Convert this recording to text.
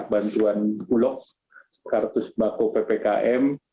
bantuan bulog kartu sembako ppkm